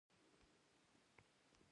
یوه ړندوکۍ په ښایسته جامو کې ښکاره شوه.